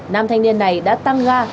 nam thanh niên này đã tăng ga